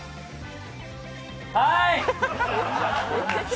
はい！